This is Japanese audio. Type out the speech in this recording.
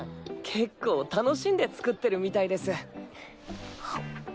結構楽しんで作ってるみたいです。